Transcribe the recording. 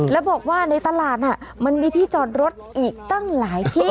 แล้วบอกว่าในตลาดน่ะมันมีที่จอดรถอีกตั้งหลายที่